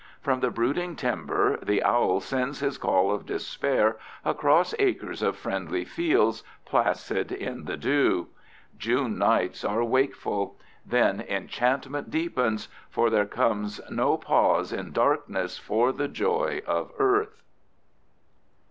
From the brooding timber the owl sends his call of despair across acres of friendly fields placid in the dew. June nights are wakeful. Then enchantment deepens, for there comes no pause in darkness for the joy of earth.